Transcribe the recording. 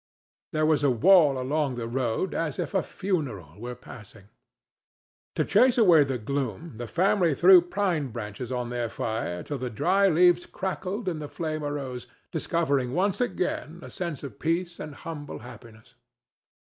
There was a wail along the road as if a funeral were passing. To chase away the gloom, the family threw pine branches on their fire till the dry leaves crackled and the flame arose, discovering once again a scene of peace and humble happiness.